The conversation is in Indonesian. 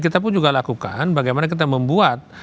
kita pun juga lakukan bagaimana kita membuat